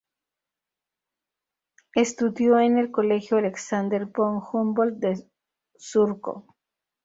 Estudió en el Colegio Alexander von Humboldt de Surco.